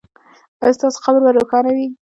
ایا ستاسو قبر به روښانه وي؟